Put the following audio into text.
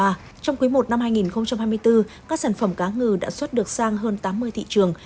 trong quý i năm hai nghìn hai mươi bốn các sản phẩm cá ngừ đã xuất được sang hơn tám mươi thị trường